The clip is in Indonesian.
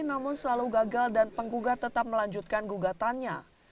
namun selalu gagal dan penggugat tetap melanjutkan gugatannya